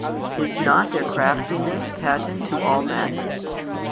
Is not their craftiness patent to all men?